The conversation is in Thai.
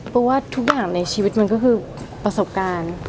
เพราะว่าทุกอย่างในชีวิตมันก็คือประสบการณ์